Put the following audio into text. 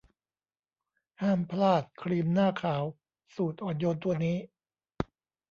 ห้ามพลาดครีมหน้าขาวสูตรอ่อนโยนตัวนี้